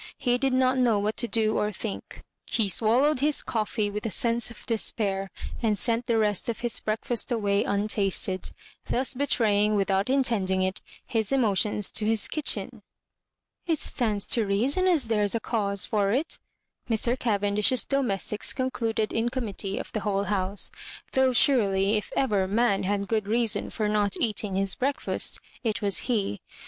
He did not know what to do or to think. He swallowed his coffee with a sense of despair, and sent the rest of his breakfast away untasted; thus betraying, without intending it, his emotions to his kitchen. " It stands to reason as there's a cause for it," Mr. Cavendish's domestics con cluded in committee of the whole house; though, surely, if ever man had good reason for not eating his breakfast, it was he.